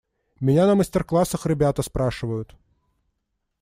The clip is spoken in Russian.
Меня на мастер-классах ребята спрашивают.